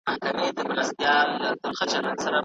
پلان جوړونه په هره کچه بايد موجوده وي.